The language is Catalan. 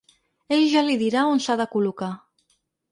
Ell ja li dirà on s’han de col·locar.